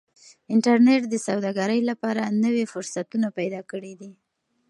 انټرنيټ د سوداګرۍ لپاره نوي فرصتونه پیدا کړي دي.